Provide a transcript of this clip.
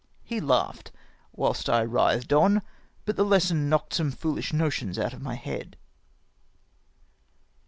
" He laughed, whilst I writhed on, but the lesson knocked some foohsli notions out of my head.